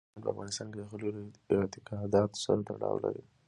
بامیان په افغانستان کې د خلکو له اعتقاداتو سره تړاو لري.